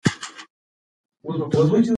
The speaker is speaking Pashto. پښتو فکر باید پیاوړی کړو.